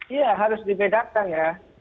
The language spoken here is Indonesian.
iya harus dibedakan ya